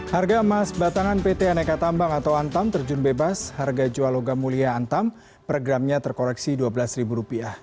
harga emas batangan pt aneka tambang atau antam terjun bebas harga jual logam mulia antam per gramnya terkoreksi rp dua belas